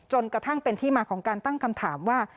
จนกระทั่งเป็นที่มาของการตั้งคำถามว่า